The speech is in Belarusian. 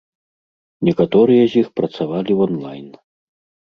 Некаторыя з іх працавалі онлайн.